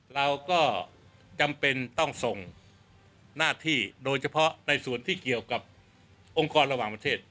เราก็จำเป็นต้องส่งหน้าที่โดยเฉพาะในส่วนที่เกี่ยวกับองค์กรระหว่างประเทศ